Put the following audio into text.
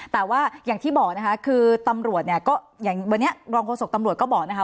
แต่ว่าอย่างที่บอกนะคะคือตำรวจเนี่ยก็อย่างวันนี้รองโฆษกตำรวจก็บอกนะคะ